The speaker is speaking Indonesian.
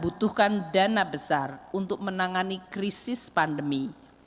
butuhkan dana besar untuk menangani krisis pandemi